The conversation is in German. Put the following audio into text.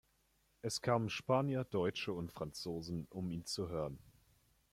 Es kamen Spanier, Deutsche und Franzosen, um ihn zu hören.